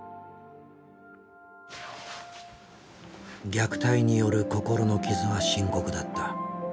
虐待による心の傷は深刻だった。